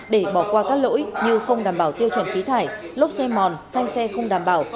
để bỏ qua các lỗi như không đảm bảo tiêu chuẩn khí thải lốp xe mòn thanh xe không đảm bảo